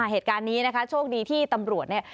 เหตุการณ์นี้นะคะโชคดีที่ตำรวจเนี่ย